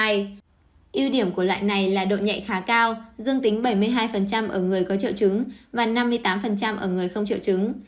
yêu điểm của loại này là độ nhạy khá cao dương tính bảy mươi hai ở người có triệu trứng và năm mươi tám ở người không triệu trứng